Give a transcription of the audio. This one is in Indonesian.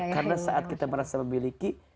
karena saat kita merasa memiliki